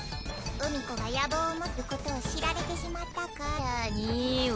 海深子が野望を持っていることを知られてしまったからには。